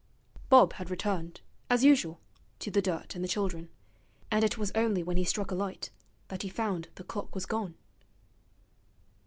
Bob had returned, as usual, to the dirt and the children, and it was only when he struck a light that he found the clock was gone.